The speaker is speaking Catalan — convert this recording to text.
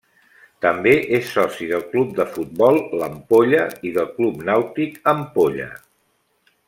També és soci del Club de Futbol l'Ampolla i del Club Nàutic Ampolla.